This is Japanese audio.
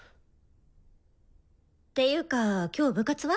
ていうか今日部活は？